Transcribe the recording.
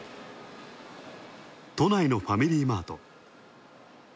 都内のファミリーマート。